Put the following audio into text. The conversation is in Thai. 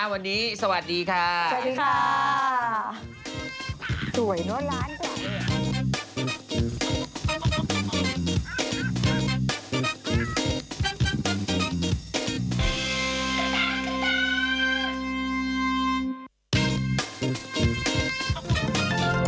วันนี้สวัสดีค่ะสวัสดีค่ะ